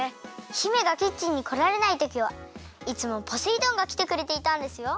姫がキッチンにこられないときはいつもポセイ丼がきてくれていたんですよ。